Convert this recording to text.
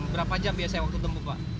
berapa jam biasanya waktu tempuh pak